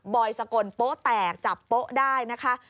อยสกลโป๊แตกจับโป๊ะได้นะคะ